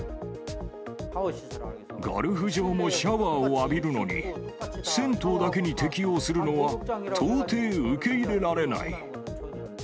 ゴルフ場もシャワーを浴びるのに、銭湯だけに適用するのは到底受け入れられない。